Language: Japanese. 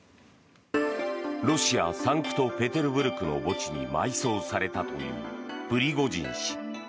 ロシア・サンクトペテルブルクの墓地に埋葬されたというプリゴジン氏。